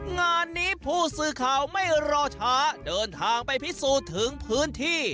งานนี้ผู้สื่อข่าวไม่รอช้าเดินทางไปพิสูจน์ถึงพื้นที่